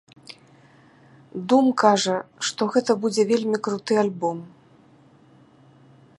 Дум кажа, што гэта будзе вельмі круты альбом!